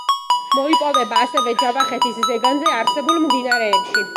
მოიპოვება ასევე ჯავახეთის ზეგანზე არსებულ მდინარეებში.